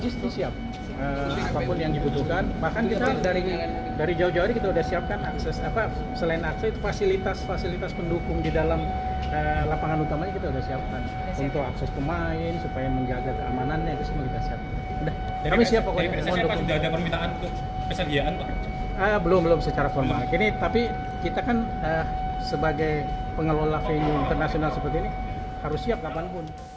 sebagai pengelola venue internasional seperti ini harus siap kapanpun